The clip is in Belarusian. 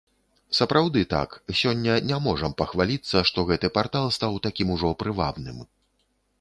Сапраўды так, сёння не можам пахваліцца, што гэты партал стаў такім ужо прывабным.